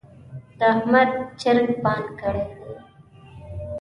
د احمد چرګ بانګ کړی دی.